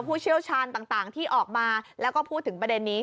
ผู้เชี่ยวชาญต่างที่ออกมาแล้วก็พูดถึงประเด็นนี้